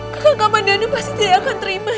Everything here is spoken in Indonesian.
kakang kamandano pasti tidak akan terima